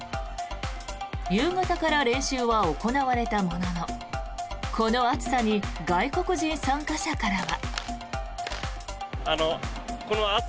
夕方から練習は行われたもののこの暑さに外国人参加者からは。